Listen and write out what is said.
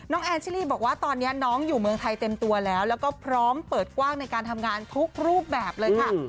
แอนชิลี่บอกว่าตอนนี้น้องอยู่เมืองไทยเต็มตัวแล้วแล้วก็พร้อมเปิดกว้างในการทำงานทุกรูปแบบเลยค่ะ